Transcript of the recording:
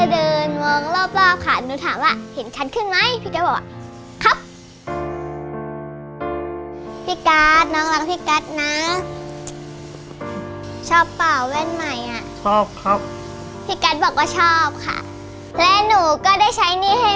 ได้พาสาไปกินหมูกระทะค่ะ